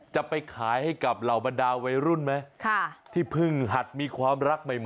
จะไปขายให้กับเหล่าบรรดาวัยรุ่นไหมที่เพิ่งหัดมีความรักใหม่